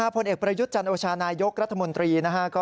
ผลเอกประยุทธ์จันโอชานายกรัฐมนตรีนะฮะ